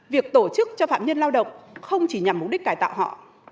việc tổ chức cho phạm nhân lao động không chỉ nhằm mục đích cải tạo họ